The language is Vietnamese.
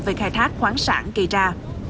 về khai thác khoáng sản kỳ ra